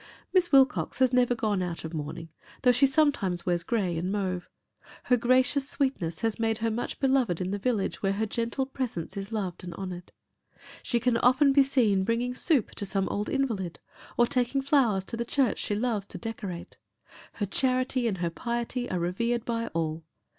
Miss Wilcox has never gone out of mourning, though she sometimes wears grey and mauve. Her gracious sweetness has made her much beloved in the village where her gentle presence is loved and honoured. She can often be seen bringing soup to some old invalid, or taking flowers to the church she loves to decorate. Her charity and her piety are revered by all.